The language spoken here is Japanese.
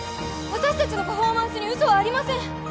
私たちのパフォーマンスにウソはありません！